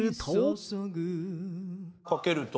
かけると。